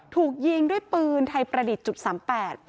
ถูกยิงด้วยปืนไทยประดิษฐ์๓๘